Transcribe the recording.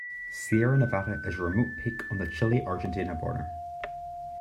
Sierra Nevada is a remote peak on the Chile-Argentina border.